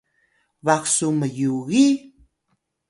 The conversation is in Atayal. baq su myugi?